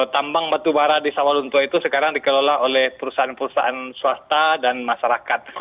tambang batubara di sawalunto itu sekarang dikelola oleh perusahaan perusahaan swasta dan masyarakat